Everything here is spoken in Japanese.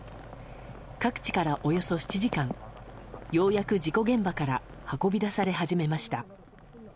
覚知からおよそ７時間ようやく事故現場から運び出され始めました。